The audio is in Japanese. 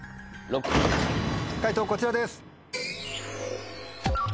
解答こちらです。